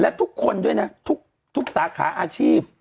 และทุกคนด้วยนะทุกสาขาอาชีพ